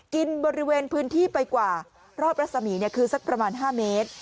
กินบริเวณพื้นที่ไปกว่ารอบรัศมีร์คือสักประมาณ๕เมตร